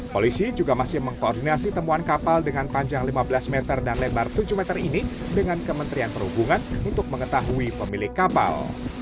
polisi juga masih mengkoordinasi temuan kapal dengan panjang lima belas meter dan lebar tujuh meter ini dengan kementerian perhubungan untuk mengetahui pemilik kapal